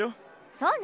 そうね。